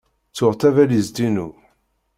Ttuɣ tabalizt-inu.